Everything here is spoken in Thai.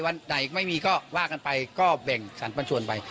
วันไหนไม่มีก็ว่ากันไปก็แบ่งสรรปัญชวนไป